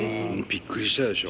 びっくりしたでしょ。